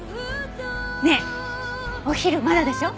ねえお昼まだでしょ？